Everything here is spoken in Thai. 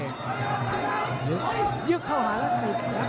ยึกเข้าหา